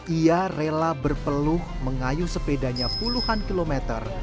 ia rela berpeluh mengayu sepedanya puluhan kilometer